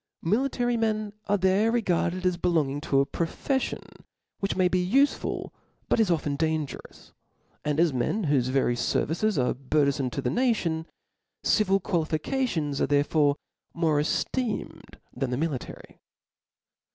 Military men are there regarded as belonging to a profcflion which may be ufcful, but is often dan gerous ; and as men whofe very ferrices are bur thenfome to the nadon :. civil qualifications are therefore more eftecnwd than the military.